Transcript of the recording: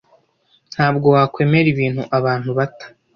Ntabwo wakwemera ibintu abantu bata